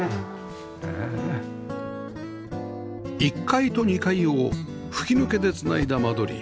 １階と２階を吹き抜けで繋いだ間取り